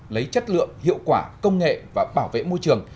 lấy chất lượng hiệu quả công nghệ và bảo vệ môi trường